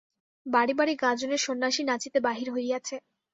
বাড়ি বাড়ি গাজনের সন্ন্যাসী নাচিতে বাহির হইয়াছে।